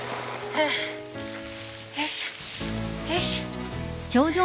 よいしょよいしょ。